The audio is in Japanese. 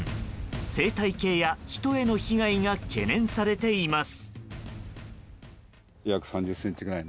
生態系や人への被害が懸念されています。